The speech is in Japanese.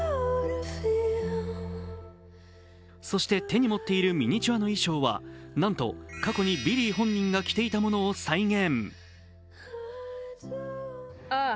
そして手に持っているミニチュアの衣装はなんと過去にビリー本人が着ていたものを再現。